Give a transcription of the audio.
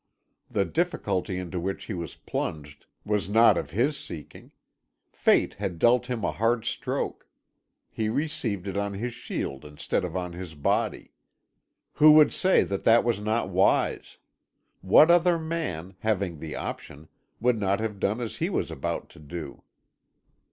The difficulty into which he was plunged was not of his seeking. Fate had dealt him a hard stroke; he received it on his shield instead of on his body. Who would say that that was not wise? What other man, having the option, would not have done as he was about to do?